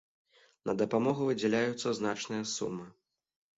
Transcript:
На дапамогу выдзяляюцца значныя сумы.